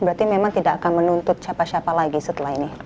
berarti memang tidak akan menuntut siapa siapa lagi setelah ini